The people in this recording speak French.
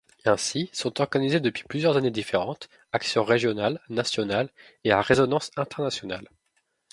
Ainsi, sont organisées depuis plusieurs années différentes actions régionales, nationales et à résonance internationale.